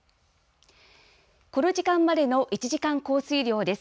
この時間までの１時間降水量です。